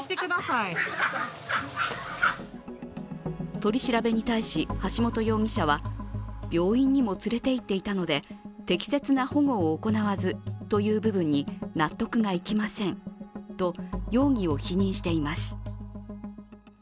取り調べに対し橋本容疑者は病院にも連れていっていたので適切な保護を行わずという部分に納得がいきませんと容疑を否認しています。